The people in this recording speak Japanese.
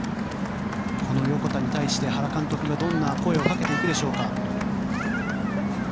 この横田に対して原監督がどんな声をかけていくでしょうか。